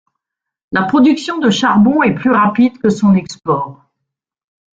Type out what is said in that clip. La production de charbon est plus rapide que son export.